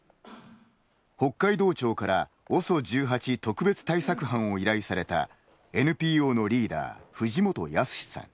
北海道庁からＯＳＯ１８特別対策班を依頼されたＮＰＯのリーダー、藤本靖さん。